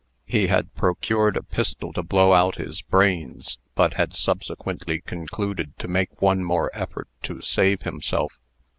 He had procured a pistol to blow out his brains, but had subsequently concluded to make one more effort to save himself.